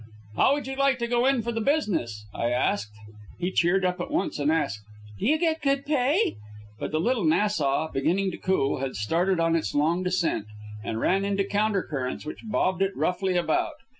"How would you like to go in for the business?" I asked. He cheered up at once and asked "Do you get good pay?" But the "Little Nassau," beginning to cool, had started on its long descent, and ran into counter currents which bobbed it roughly about.